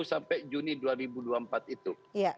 sampai juni dua ribu dua puluh empat itu